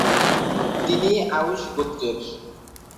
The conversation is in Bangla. তিনি আউস গোত্রের।